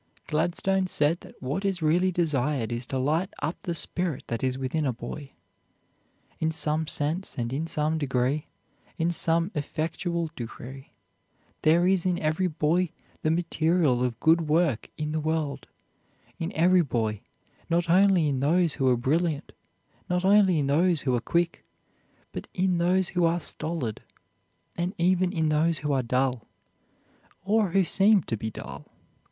Gladstone said that what is really desired is to light up the spirit that is within a boy. In some sense and in some degree, in some effectual degree, there is in every boy the material of good work in the world; in every boy, not only in those who are brilliant, not only in those who are quick, but in those who are stolid, and even in those who are dull, or who seem to be dull.